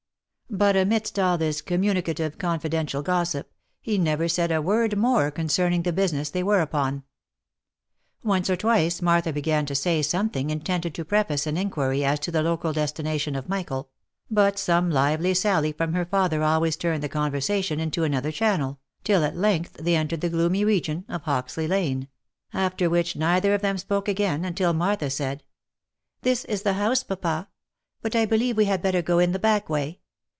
But amidst all this communicative confidential gossip, he never said a word more concerning the business they were upon. Once or twice Martha began to say something intended to preface an inquiry as to the local destination of Michael, but some lively sally •from her father always turned the conversation into another channel, t'" at length they entered the gloomy region of Hoxley lane ; after which, neither or them spoke again till Martha said —" This is the house, papa.— But I believe we had better go in the back way.